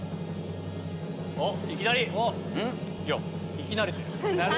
おっいきなり⁉よっ！